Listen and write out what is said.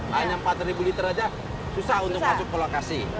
hanya empat liter saja susah untuk masuk ke lokasi